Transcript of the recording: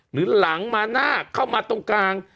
หรือหลังมาหน้าเข้ามาตรงกลาง